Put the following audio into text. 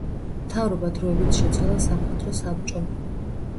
მთავრობა დროებით შეცვალა სამხედრო საბჭომ.